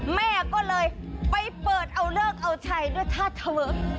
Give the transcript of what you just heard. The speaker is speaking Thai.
แม่ก็เลยไปเปิดเอาเลิกเอาใส่ด้วยท่าเทเวิร์ก